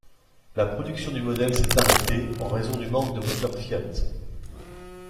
La production du modèle s'est arrêtée en raison du manque de moteurs Fiat.